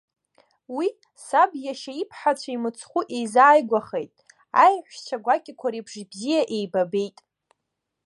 Уии саб иашьа иԥҳацәеи мыцхәы еизааигәахеит, аиҳәшьцәа гәакьақәа реиԥш бзиа еибабеит.